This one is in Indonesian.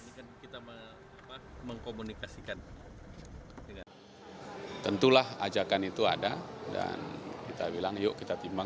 jokowi mengatakan bahwa ketika diperkirakan